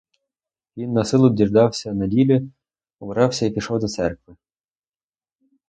Він насилу діждався неділі, убрався й пішов до церкви.